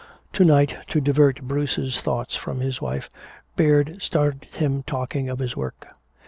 To night to divert Bruce's thoughts from his wife, Baird started him talking of his work.